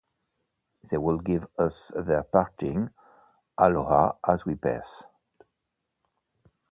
They would give us their parting aloha as we passed.